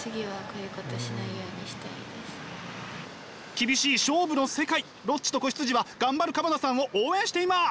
厳しい勝負の世界「ロッチと子羊」は頑張る鎌田さんを応援しています！